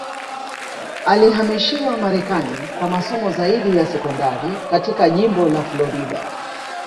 Alihamishiwa Marekani kwa masomo zaidi ya sekondari katika jimbo la Florida